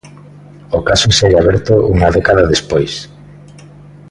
O caso segue aberto unha década despois.